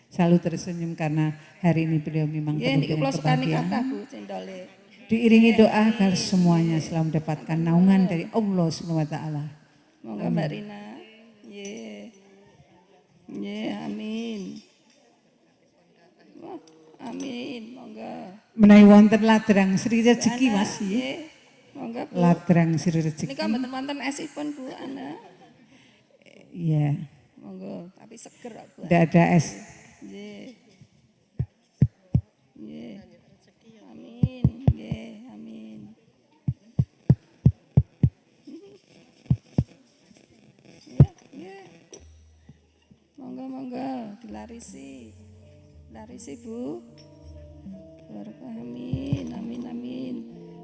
selalu tersenyum karena hari ini beliau memang kebahagiaan